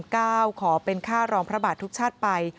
ขอเป็นค่ารองพระบาททุกชาติไป